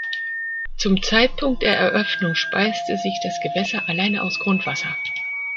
Zum Zeitpunkt der Eröffnung speiste sich das Gewässer alleine aus Grundwasser.